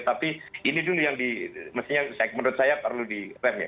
tapi ini dulu yang mestinya menurut saya perlu di rem ya